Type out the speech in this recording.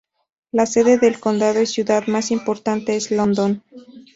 La sede del condado y ciudad más importante es London.